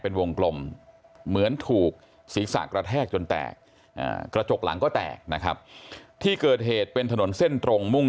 เป็นวงกลมเหมือนถูกศีรษะกระแทกจนแตกกระจกหลังก็แตกนะครับที่เกิดเหตุเป็นถนนเส้นตรงมุ่ง